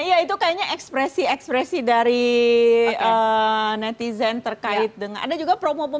iya itu kayaknya ekspresi ekspresi dari netizen terkait dengan ada juga promo promo